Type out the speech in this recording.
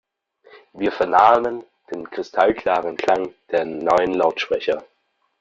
Wir vernahmen den kristallklaren Klang der neuen Lautsprecher.